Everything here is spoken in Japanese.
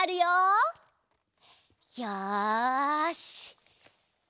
よし。